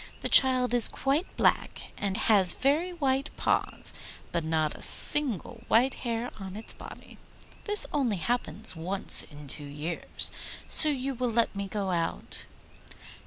The child is quite black, and has very white paws, but not a single white hair on its body. This only happens once in two years, so you will let me go out?